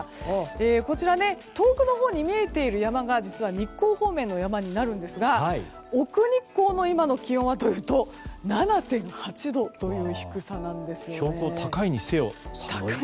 遠くのほうに見えている山が実は日光方面の山になるんですが奥日光の今の気温はというと７．８度という低さなんです。